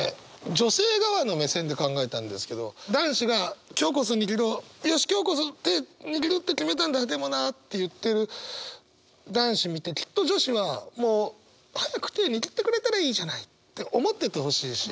女性側の目線で考えたんですけど男子が「今日こそ握ろうよし今日こそ手握るって決めたんだでもな」って言ってる男子見てきっと女子はもう早く手握ってくれたらいいじゃないって思っててほしいし。